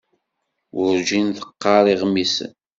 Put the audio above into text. Werǧin teqqar iɣmisen.